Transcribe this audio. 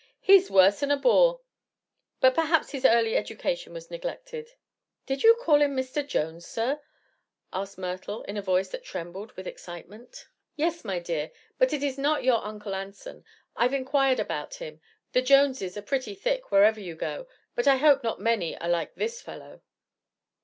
"He's worse than a boor. But perhaps his early education was neglected." "Did you call him Mr. Jones, sir?" asked Myrtle in a voice that trembled with excitement. "Yes, my dear; but it is not your Uncle Anson. I've inquired about him. The Joneses are pretty thick, wherever you go; but I hope not many are like this fellow."